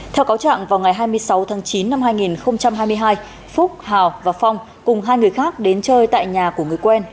theo cáo trạng vào ngày hai mươi sáu tháng chín năm hai nghìn hai mươi hai phúc hào và phong cùng hai người khác đến chơi tại nhà của người quen